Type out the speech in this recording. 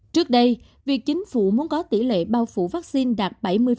trước đây việc chính phủ muốn có tỷ lệ bao phủ vaccine đạt bảy mươi